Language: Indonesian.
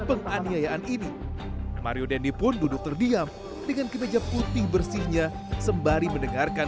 penganiayaan ini mario dendi pun duduk terdiam dengan kemeja putih bersihnya sembari mendengarkan